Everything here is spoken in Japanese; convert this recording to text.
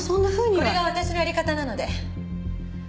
これが私のやり方なので。